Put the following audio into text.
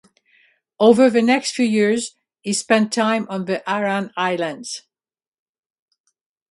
Over the next few years, he spent time on the Aran Islands.